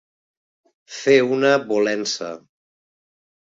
Fer una volença.